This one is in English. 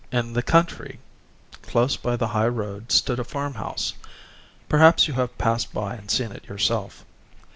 In the country, close by the high road, stood a farmhouse; perhaps you have passed by and seen it yourself.